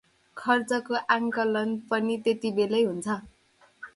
खर्चको आंकलन पनि त्यति बेलै हुन्छ।